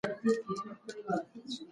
د بولان پټي د افغانانو د ګټورتیا برخه ده.